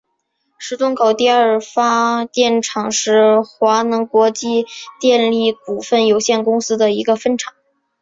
石洞口第二发电厂是华能国际电力股份有限公司的一个分厂。